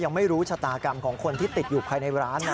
ไม่รู้ชะตากรรมของคนที่ติดอยู่ภายในร้านนะ